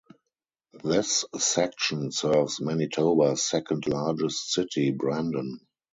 This section serves Manitoba's second largest city, Brandon.